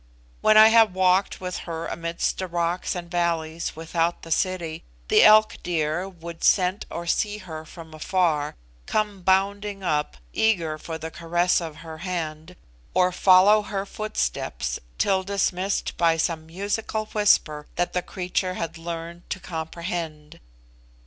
When I have walked with her amidst the rocks and valleys without the city, the elk deer would scent or see her from afar, come bounding up, eager for the caress of her hand, or follow her footsteps, till dismissed by some musical whisper that the creature had learned to comprehend.